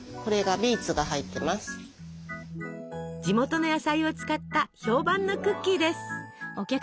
地元の野菜を使った評判のクッキーです。